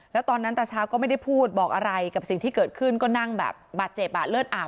แล้วตอนนั้นตาเช้าก็ไม่ได้พูดบอกอะไรกับสิ่งที่เกิดขึ้นก็นั่งแบบบาดเจ็บอ่ะเลือดอาบ